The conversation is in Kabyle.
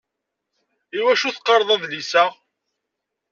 Iwacu teqqareḍ adlis a?